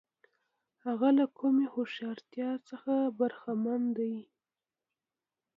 هغه له کمې هوښیارتیا څخه برخمن دی.